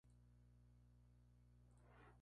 Actualmente canta música Gospel.